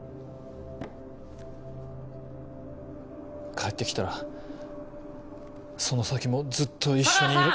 帰って来たらその先もずっと一緒に。